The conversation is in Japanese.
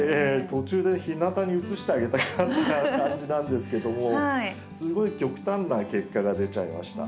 途中で日なたに移してあげたくなった感じなんですけどもすごい極端な結果が出ちゃいました。